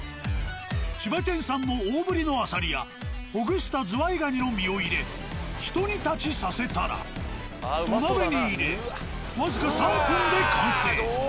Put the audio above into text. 千葉県産の大ぶりのアサリやほぐしたズワイガニの身を入れひと煮立ちさせたら土鍋に入れ僅か３分で完成。